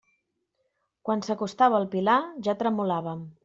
Quan s'acostava el Pilar ja tremolàvem.